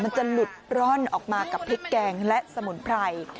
มันจะหลุดร่อนออกมากับพริกแกงและสมุนไพร